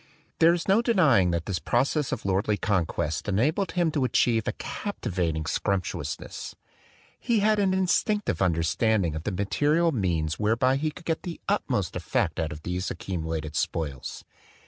There is no denying that this process of lordly conquest enabled him to achieve a captivating sumptuousness. He had an instinctive under standing of the material means whereby he could get the utmost effect out of these accu mulated spoils.